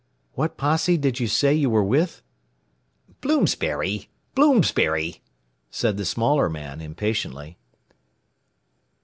"What posse did you say you were with?" "Bloomsbury! Bloomsbury!" said the smaller man, impatiently.